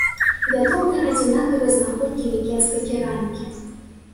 Вядомы адзінкавыя знаходкі мікенскай керамікі.